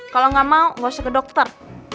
kalo gak mau gak usah ke dokter